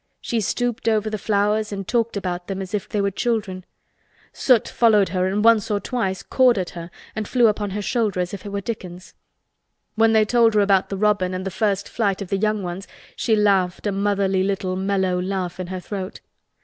She stooped over the flowers and talked about them as if they were children. Soot followed her and once or twice cawed at her and flew upon her shoulder as if it were Dickon's. When they told her about the robin and the first flight of the young ones she laughed a motherly little mellow laugh in her throat.